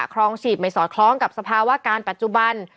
ครองฉีดไม่สอดคล้องกับสภาวะการปัจจุบัน